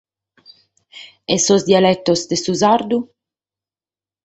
E sos dialetos de su sardu?